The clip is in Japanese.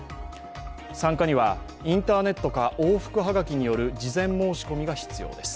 参加にはインターネットか往復はがきによる事前申込みが必要です。